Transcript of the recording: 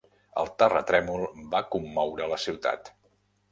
El terratrèmol va commoure la ciutat.